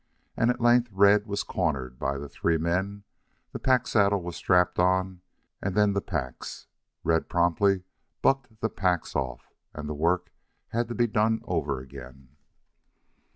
And at length Red was cornered by the three men, the pack saddle was strapped on, and then the packs. Red promptly bucked the packs off, and the work had to be done over again.